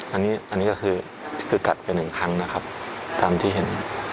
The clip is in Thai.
อันนี้ก็คือกัดไปหนึ่งครั้งนะครับตามที่เห็น